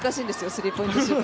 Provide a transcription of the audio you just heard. スリーポイントシュート。